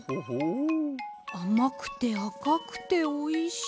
あまくてあかくておいしい。